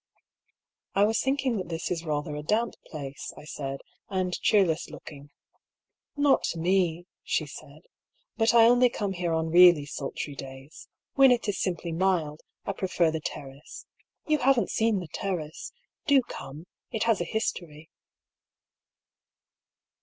^' I was thinking that this is rather a damp place," I said, " and cheerless looking." " Not to me," she said. " But I only come here on really sultry days. When it is simply mild, I prefer the terrace. You haven't seen the terrace. Do come, it has a history."